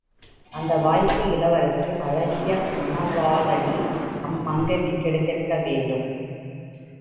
அந்த வாய்ப்பு இளவரசி அழகிய மணவாளனி அம்மங்கைக்குக் கிடைத்திருக்க வேண்டும்.